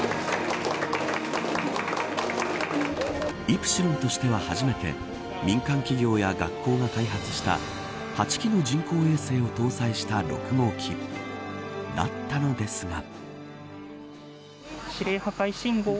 イプシロンとしては初めて民間企業や学校が開発した８機の人工衛星を搭載した６号機だったのですが。